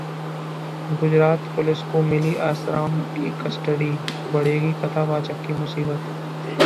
Gujarat police को मिली आसाराम की कस्टडी, बढ़ेगी 'कथावाचक' की मुसीबत